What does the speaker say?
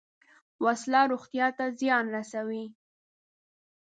وسله روغتیا ته زیان رسوي